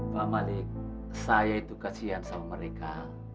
pak malik saya itu kasihan sama mereka